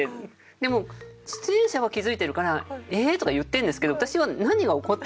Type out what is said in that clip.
でも出演者は気づいてるから「えー？」とか言ってるんですけど私は。